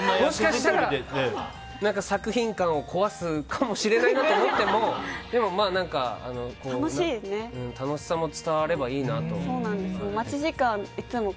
作品感を壊すかもしれないなと思っても楽しさも伝わればいいなと。